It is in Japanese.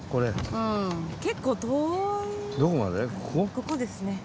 ここですね。